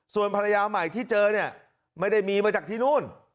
ส่วนภรรยาใหม่ที่เจอเนี่ยไม่ได้มีมาจากที่นู่น